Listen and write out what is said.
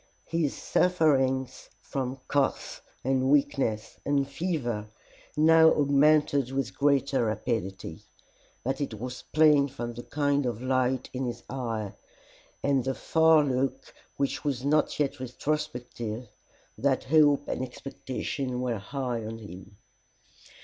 His sufferings from cough and weakness and fever now augmented with greater rapidity, but it was plain from the kind of light in his eye, and the far look which was not yet retrospective, that hope and expectation were high in him.